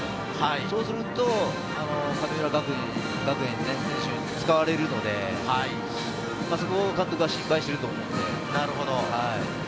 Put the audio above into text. そうすると神村学園の選手に使われるので、そこを監督は心配していると思います。